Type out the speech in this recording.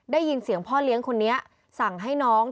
ได้ยินเสียงพ่อเลี้ยงคนนี้สั่งให้น้อง